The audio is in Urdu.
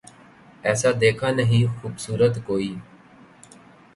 ایسا دیکھا نہیں خوبصورت کوئی